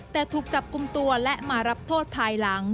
แต่ถูกจับกลุ่มตัวและมารับโทษภายหลัง